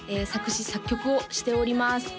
作詞作曲をしております